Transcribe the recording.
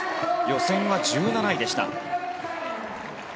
予選は１７位でした。